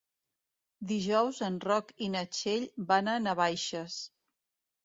Dijous en Roc i na Txell van a Navaixes.